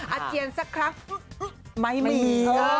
อาเจียนสักครั้งไม่มี